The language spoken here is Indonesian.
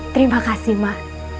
terima kasih emak